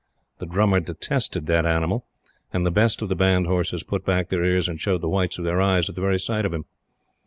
The Drummer detested that animal, and the best of the Band horses put back their ears and showed the whites of their eyes at the very sight of him.